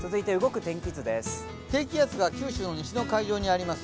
低気圧が九州の西の海上にあります。